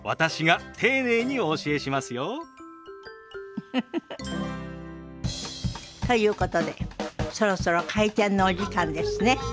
ウフフフ。ということでそろそろ開店のお時間ですね。